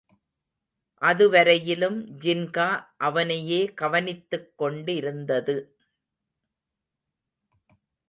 அதுவரையிலும் ஜின்கா அவனையே கவனித்துக்கொண்டிருந்தது.